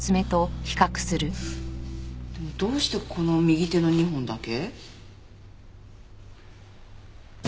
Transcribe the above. でもどうしてこの右手の２本だけ？